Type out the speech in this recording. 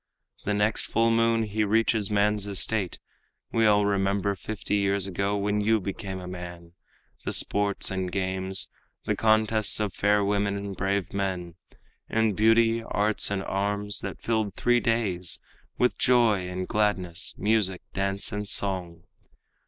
The next full moon he reaches man's estate. We all remember fifty years ago When you became a man, the sports and games, The contests of fair women and brave men, In beauty, arts and arms, that filled three days With joy and gladness, music, dance and song.